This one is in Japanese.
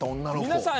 皆さん。